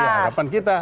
itu harapan kita